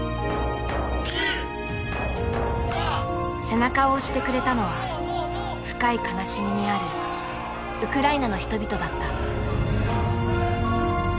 背中を押してくれたのは深い悲しみにあるウクライナの人々だった。